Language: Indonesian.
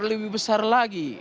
lebih besar lagi